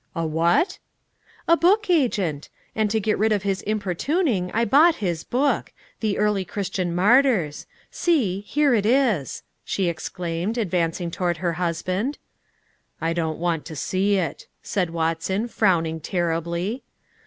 "A what?" "A book agent; and to get rid of his importuning I bought his book, the 'Early Christian Martyrs.' See, here it is," she exclaimed, advancing toward her husband. "I don't want to see it," said Watson, frowning terribly.